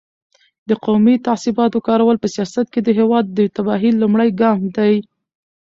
د قومي تعصباتو کارول په سیاست کې د هېواد د تباهۍ لومړی ګام دی.